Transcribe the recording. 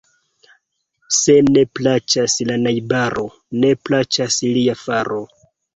Se ne plaĉas la najbaro, ne plaĉas lia faro.